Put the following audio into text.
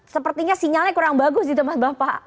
sepertinya sinyalnya kurang bagus di tempat bapak